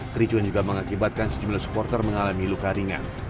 kericuan juga mengakibatkan sejumlah supporter mengalami luka ringan